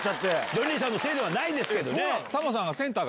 ジョニーさんのせいではないけど。